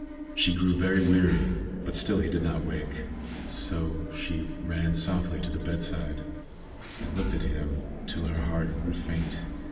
She grew very weary, but still he did not wake; so she ran softly to the bedside, and looked at him till her heart grew faint.